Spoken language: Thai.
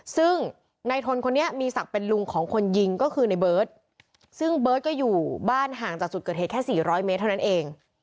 ซึ่งนายทนคนนี้มีศักดิ์เป็นลุงของคนยิงก็คือในเบิร์ตซึ่งเบิร์ตก็อยู่บ้านห่างจากจุดเกิดเหตุแค่๔๐๐เมตรเท่านั้นเอง